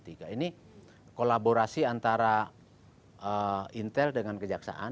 ini kolaborasi antara intel dengan kejaksaan